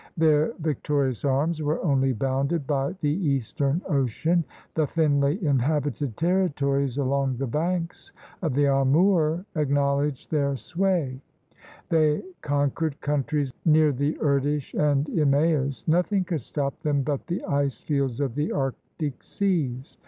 ,.. Their victorious arms were only bounded by the Eastern Ocean; the thinly inhabited territories along the banks of the Amoor acknowledged their sway; they conquered countries near the Irtish and Imaus; nothing could stop them but the ice fields of the Arctic seas.